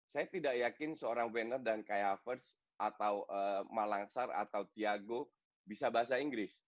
saya tidak yakin seorang vaner dan kai havertz atau malangshar atau thiago bisa bahasa inggris